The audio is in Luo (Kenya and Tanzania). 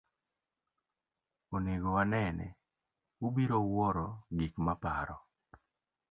Onego wanene, ubiro wuoro gik maparo.